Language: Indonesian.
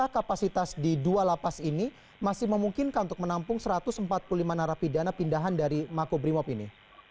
kapasitas di dua lapas ini masih memungkinkan untuk menampung satu ratus empat puluh lima narapidana pindahan dari makobrimob ini